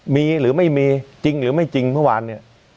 มีหรือไม่มีจริงหรือไม่จริงเมื่อวานเนี่ย